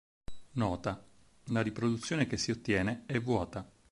Nota: la riproduzione che si ottiene è vuota.